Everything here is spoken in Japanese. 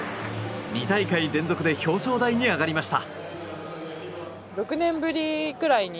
２大会連続で表彰台に上がりました。